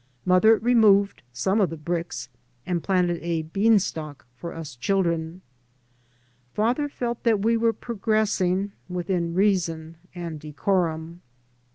Mother removed some of the bricks, ' and planted a bean stalk for us children. Father felt that we were progressing, within reason and decorum.